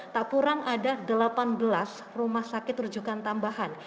tak kurang ada delapan belas rumah sakit rujukan tambahan